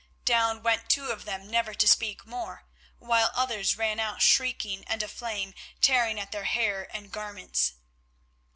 Down went two of them never to speak more, while others ran out shrieking and aflame, tearing at their hair and garments.